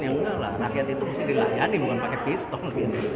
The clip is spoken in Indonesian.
yang enggak lah rakyat itu mesti dilayani bukan pakai pistol